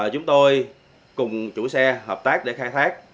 chúng tôi cùng chủ xe hợp tác để khai thác